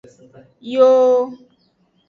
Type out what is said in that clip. Yooo.